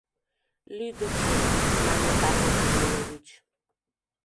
— Лӱдыкшӧ, — мане Павел Кириллович.